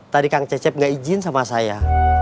tadi kang cecep nggak izin sama saya